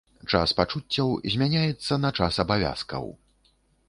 Час пачуццяў змяняецца на час абавязкаў.